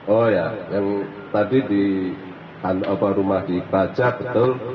oh ya yang tadi di rumah di keraca betul